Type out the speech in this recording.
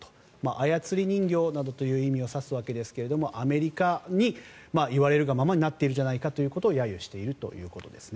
操り人形などという意味を指すわけですがアメリカに言われるがままになっているじゃないかということを揶揄しているということです。